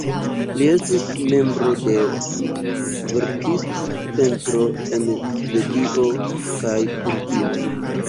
Li estis membro de verkist-centro en Svedio kaj Kurdio.